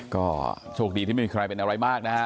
ก็โชคดีที่ไม่มีใครเป็นอะไรมากนะฮะ